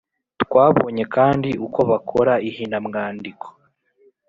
twabonye kandi uko bakora ihinamwandiko.